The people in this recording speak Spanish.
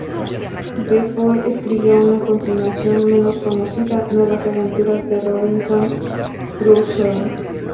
Defoe escribió una continuación menos conocida, "Nuevas aventuras de Robinson Crusoe".